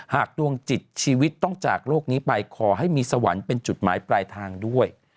ดวงจิตชีวิตต้องจากโลกนี้ไปขอให้มีสวรรค์เป็นจุดหมายปลายทางด้วย